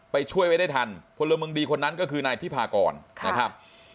ช่วยไว้ได้ทันพลเมืองดีคนนั้นก็คือนายธิพากรนะครับ